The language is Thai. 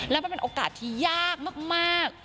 และมันเป็นโอกาสที่ยากมาก